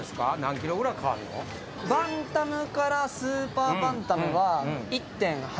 バンタムからスーパーバンタムは１．８ｋｇ。